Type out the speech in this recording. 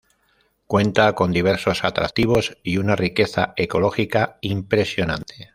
Cuenta con diversos atractivos, y una riqueza ecológica impresionante.